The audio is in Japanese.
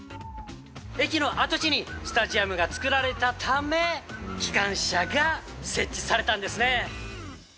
駅の跡地にスタジアムが作られたため、機関車が設置されたんですね。